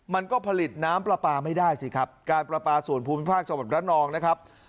มันก็ผลิตน้ำปลาปลาไม่ได้สิครับการปลาปลาส่วนภูมิภาคจังหวัดระนองนะครับ